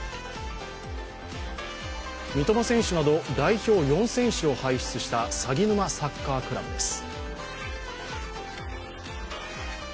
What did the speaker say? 三笘選手など、代表４選手を輩出したさぎぬまサッカークラブです。